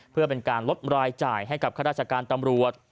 เพื่อเป็นการลดรายจ่ายให้กับข้าราชการตำรวจ